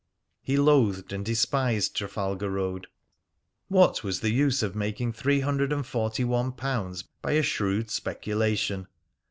He loathed and despised Trafalgar Road. What was the use of making three hundred and forty one pounds by a shrewd speculation?